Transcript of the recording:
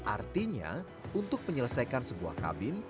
artinya untuk menyelesaikan sebuah kabin